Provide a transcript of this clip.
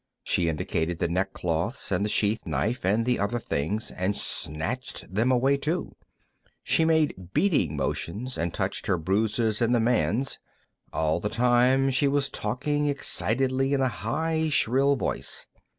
She indicated the neckcloths, and the sheath knife and the other things, and snatched them away too. She made beating motions, and touched her bruises and the man's. All the time, she was talking excitedly, in a high, shrill voice.